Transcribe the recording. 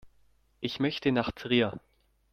Ich möchte nach Trier